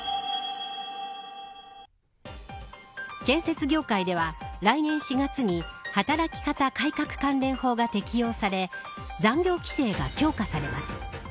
建設業界では来年４月に働き方改革関連法が適用され残業規制が強化されます。